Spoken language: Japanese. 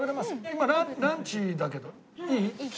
今ランチだけどいい？